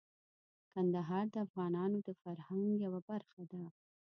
کندهار د افغانانو د فرهنګ یوه برخه ده.